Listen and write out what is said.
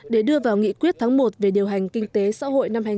để đưa vào nghị quyết tháng một về điều hành kinh tế xã hội năm hai nghìn hai mươi